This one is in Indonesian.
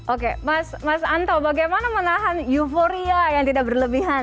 oke mas anto bagaimana menahan euforia yang tidak berlebihan